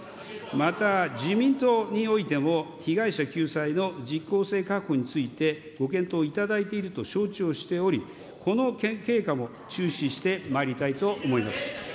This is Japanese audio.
また、自民党においても、被害者救済のじっこう性確保についてご検討いただいていると承知をしており、この経過も注視してまいりたいと思います。